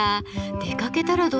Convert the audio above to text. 出かけたらどうですか？